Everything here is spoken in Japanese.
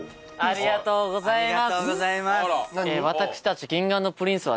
ありがとうございます。